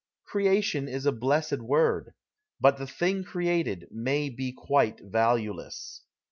" Creation ' is a blessed word. But the thing created may be quite valueless.